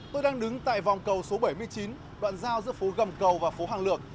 tôi đang đứng tại vòng cầu số bảy mươi chín đoạn giao giữa phố gầm cầu và phố hàng lược